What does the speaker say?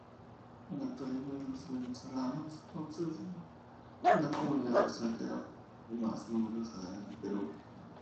En la actualidad, los venezolanos constituyen la comunidad extranjera más numerosa en el Perú.